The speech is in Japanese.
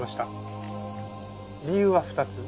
理由は２つ。